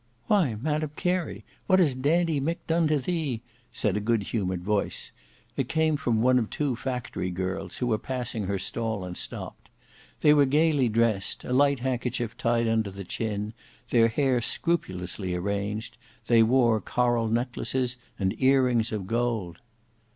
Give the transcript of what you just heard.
"Why, Madam Carey, what has Dandy Mick done to thee?" said a good humoured voice, it came from one of two factory girls who were passing her stall and stopped. They were gaily dressed, a light handkerchief tied under the chin, their hair scrupulously arranged; they wore coral neck laces and earrings of gold.